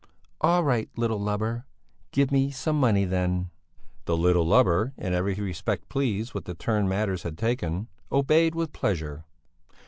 "All right, little lubber, give me some money then." The little lubber, in every respect pleased with the turn matters had taken, obeyed with pleasure.